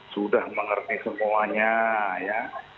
sudah mengerti semuanya ya